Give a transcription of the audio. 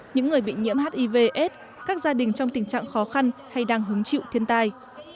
những người bị nhiễm hivs các gia đình trong tình trạng khó khăn hay đang hứng chịu thiên tai